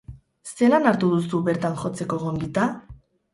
Zelan hartu duzu bertan jotzeko gonbita?